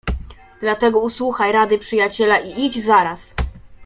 "Dlatego usłuchaj rady przyjaciela i idź zaraz."